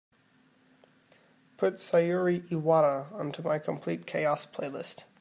Put Sayuri Iwata onto my complete chaos playlist.